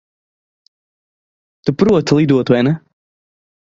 Tu proti lidot, vai ne?